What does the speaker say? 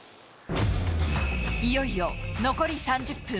いよいよ残り３０分。